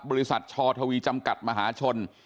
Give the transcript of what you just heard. บริษัทชอทวีจำกัดมหาชน